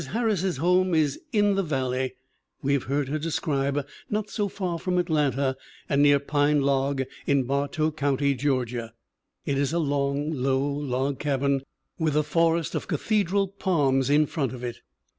Harris's home is in the "valley" we have heard her describe, not so far from Atlanta and near Pine Log, in Bartow county, Georgia. It is a long, low log cabin with a forest of cathedral palms in front of it.